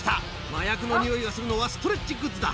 麻薬のニオイがするのはストレッチグッズだ。